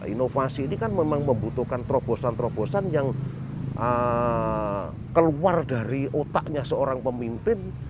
inovasi ini kan memang membutuhkan terobosan terobosan yang keluar dari otaknya seorang pemimpin